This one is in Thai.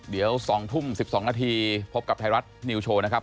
เดี๋ยว๒ทุ่ม๑๒นาทีพบกับไทยรัฐนิวโชว์นะครับ